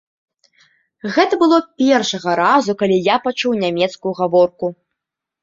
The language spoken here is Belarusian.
Гэта было першага разу, калі я пачуў нямецкую гаворку.